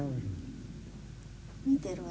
見てるわ